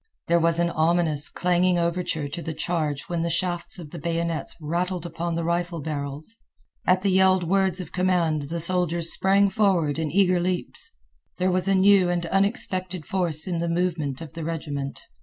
There was an ominous, clanging overture to the charge when the shafts of the bayonets rattled upon the rifle barrels. At the yelled words of command the soldiers sprang forward in eager leaps. There was new and unexpected force in the movement of the regiment.